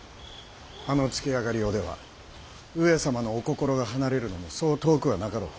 あのつけあがりようでは上様のお心が離れるのもそう遠くはなかろう。